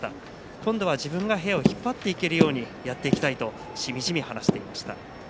今度は自分が部屋を引っ張っていけるようにやっていきたいとしみじみ話していました。